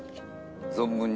存分に。